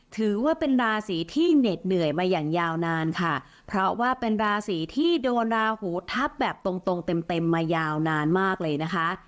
ถือว่าเป็นราศีที่เหน็ดเหนื่อยมาอย่างยาวนานค่ะเพราะว่าเป็นราศีที่โดนราหูทับแบบตรงตรงเต็มเต็มมายาวนานมากเลยนะคะ